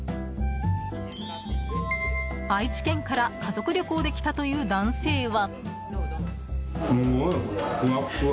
愛知県から家族旅行で来たという男性は。